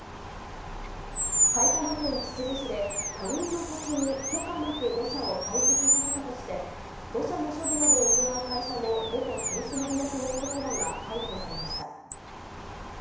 埼玉県秩父市で、他人の土地に許可なく土砂を堆積させたとして、土砂の処理などを行う会社の元取締役の男らが逮捕されました。